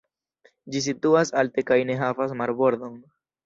Ĝi situas alte kaj ne havas marbordon.